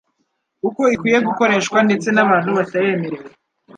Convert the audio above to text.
uko ikwiye gukoreshwa ndetse n'abantu batayemerewe.